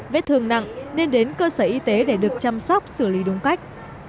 vết thương nặng nên đến cơ sở y tế để được chăm sóc xử lý đúng cách